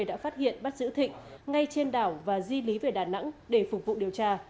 đã phát hiện bắt giữ thịnh ngay trên đảo và di lý về đà nẵng để phục vụ điều tra